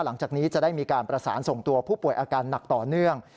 หลังจากนี้จะได้มีการประสานส่งตัวผู้ป่วยอาการหนักต่อเนื่อง